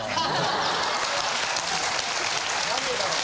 何でだろう？